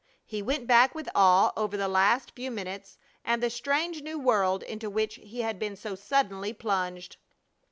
He went back with awe over the last few minutes and the strange new world into which he had been so suddenly plunged.